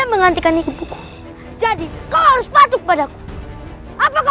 aku mengganti kandung buku jadi kau harus patung padaku apa kau lupa maaf aden